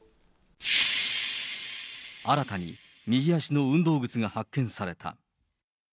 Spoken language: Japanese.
新たに右足の運動靴が発見された。